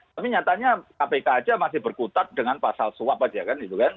tapi nyatanya kpk aja masih berkutat dengan pasal suap aja kan gitu kan